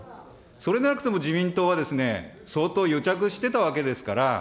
それでなくても自民党は相当癒着してたわけですから。